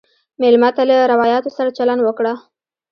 مېلمه ته له روایاتو سره چلند وکړه.